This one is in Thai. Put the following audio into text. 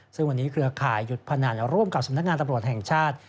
ซึ่งวันนี้เครือข่ายหยุดพนันร่วมกับสำนักงานตำรวจแห่งชาติ